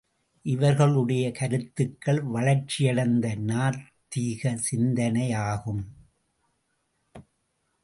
இவர்களுடைய கருத்துக்கள் வளர்ச்சியடைந்த நாத்திக சிந்தனையாகும்.